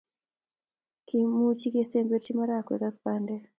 Kimuchi kesemberchi marakwek ak pandek